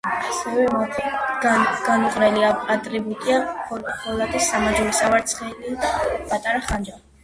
ასევე მათი განუყრელი ატრიბუტია ფოლადის სამაჯური, სავარცხელი და პატარა ხანჯალი.